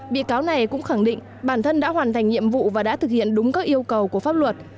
bị cáo này cũng khẳng định bản thân đã hoàn thành nhiệm vụ và đã thực hiện đúng các yêu cầu của pháp luật